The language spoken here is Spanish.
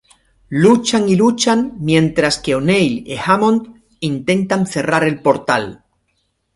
Luchan y luchan mientras que O'Neill y Hammond intentan cerrar el Portal.